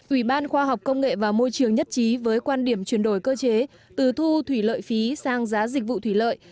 ủy ban khoa học công nghệ và môi trường nhất trí với quan điểm chuyển đổi cơ chế từ thu thủy lợi phí sang giá dịch vụ thủy lợi